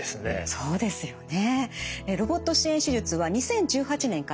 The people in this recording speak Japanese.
そうですよね。